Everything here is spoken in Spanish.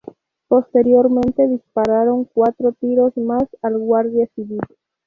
Posteriormente dispararon cuatro tiros más al guardia civil.